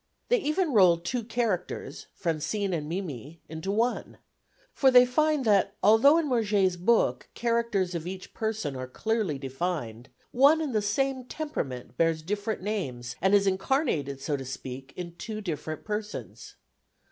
They even roll two characters, Francine and Mimi, into one; for they find that although in Murger's book characters of each person are clearly defined, one and the same temperament bears different names and is incarnated, so to speak, in two different persons.